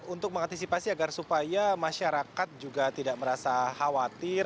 untuk mengantisipasi agar supaya masyarakat juga tidak merasa khawatir